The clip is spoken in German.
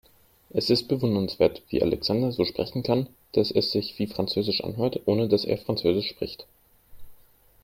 Es ist bewundernswert, wie Alexander so sprechen kann, dass es sich wie französisch anhört, ohne dass er französisch spricht.